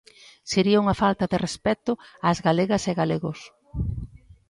"Sería unha falta de respecto ás galegas e galegos".